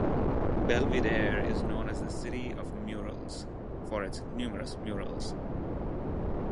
Belvidere is known as the "City of Murals", for its numerous murals.